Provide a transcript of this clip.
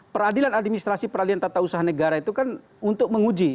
peradilan administrasi peradilan tata usaha negara itu kan untuk menguji